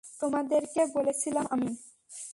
তোমাদেরকে বলেছিলাম আমি।